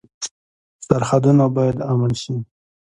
سرحدونه باید امن شي